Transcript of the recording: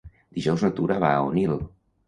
Dijous na Tura va a Onil.